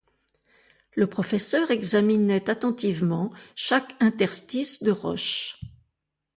Le professeur examinait attentivement chaque interstice de roche.